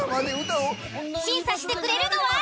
審査してくれるのは。